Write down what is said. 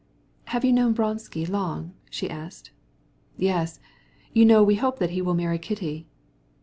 "Have you known Vronsky long?" she asked. "Yes. You know we're hoping he will marry Kitty."